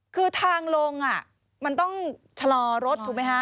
คือทางลงมันต้องชะลอรถถูกไหมฮะ